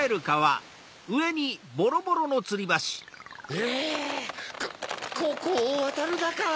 えここをわたるだか？